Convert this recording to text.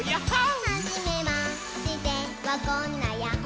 「はじめましてはこんなヤッホ」